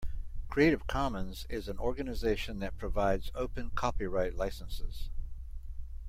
Creative Commons is an organisation that provides open copyright licences